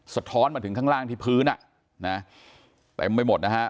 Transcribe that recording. สะท้อนมาถึงข้างล่างที่พื้นอ่ะนะเต็มไปหมดนะฮะ